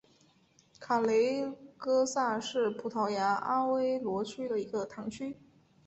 卡雷戈萨是葡萄牙阿威罗区的一个堂区。